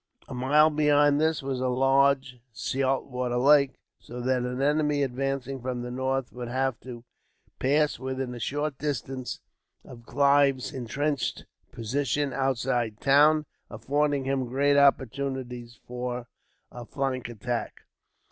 A mile beyond this was a large saltwater lake, so that an enemy advancing from the north would have to pass within a short distance of Clive's intrenched position outside the town, affording him great opportunities for a flank attack.